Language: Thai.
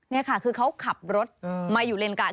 นี่ค่ะคือเขาขับรถมาอยู่เลนกลาง